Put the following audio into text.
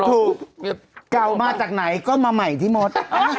จะเอามาจากไหนก็มาใหม่ทั้งที่หมด